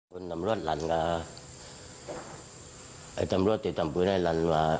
คุณตำรวจรันกะไอ้ตำรวจที่ตำคืนให้รันว่า